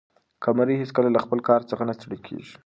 قمري هیڅکله له خپل کار څخه نه ستړې کېږي.